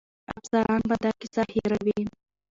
افسران به دا کیسه هېروي.